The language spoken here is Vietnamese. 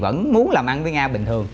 vẫn muốn làm ăn với nga bình thường